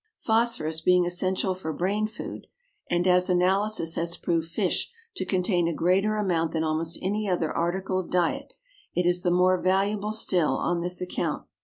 Phosphorus being essential for brain food, and as analysis has proved fish to contain a greater amount than almost any other article of diet, it is the more valuable still on this account.